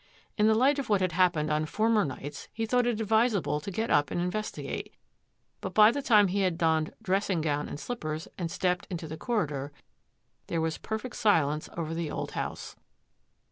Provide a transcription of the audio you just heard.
In the light of what had happened on former nights he thought it advisable to get up and investigate, but by the time he had donned dressing gown and slippers and stepped into the corridor, there was perfect silence over the old house.